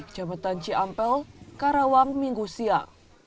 jambatan ciampel karawang minggu siang